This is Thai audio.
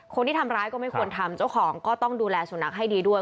คนที่ทำร้ายก็ไม่ควรทำเจ้าของก็ต้องดูแลสุนัขให้ดีด้วย